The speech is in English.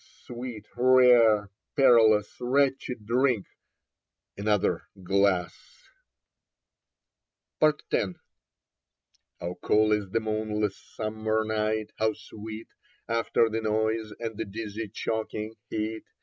O sweet, rare, perilous, retchy drink ! Another glass ... yS Leda X HOW cool is the moonless summer night, how sweet After the noise and the dizzy choking heat !